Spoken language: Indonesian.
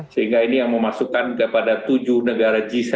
sehingga ini yang memasukkan kepada tujuh negara g tujuh